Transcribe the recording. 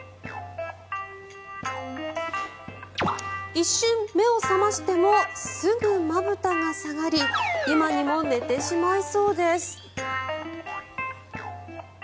一瞬目を覚ましてもすぐ、まぶたが下がり今にも寝てしまいそうです。